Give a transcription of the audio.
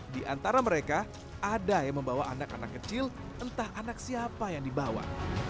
di antara mereka ada yang membawa anak anak kecil entah anak siapa yang dibawa